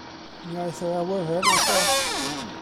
Mi aeth yr awyren ar goll.